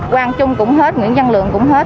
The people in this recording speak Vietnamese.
quang trung cũng hết nguyễn văn lượng cũng hết